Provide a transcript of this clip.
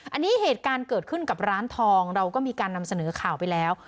อันนี้เหตุการณ์เกิดขึ้นกับร้านทองเราก็มีการนำเสนอข่าวไปแล้ว